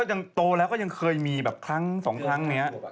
แต่โตแล้วก็ยังเคยมีคลั้ง๒ครั้ง